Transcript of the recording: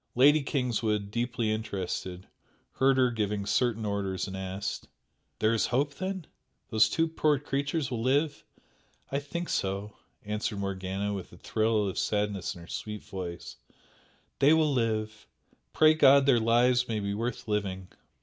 Lady Kingswood, deeply interested, heard her giving certain orders and asked "There is hope then? These two poor creatures will live?" "I think so" answered Morgana, with a thrill of sadness in her sweet voice "They will live pray God their lives may be worth living!"